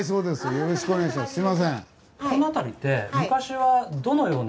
よろしくお願いします。